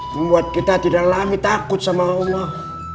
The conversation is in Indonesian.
buat kita tidak lagi takut sama allah